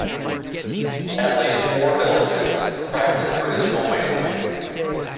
At least four villages practice traditional whaling.